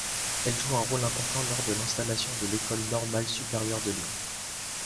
Elle joue un rôle important lors de l'installation de l'École normale supérieure de Lyon.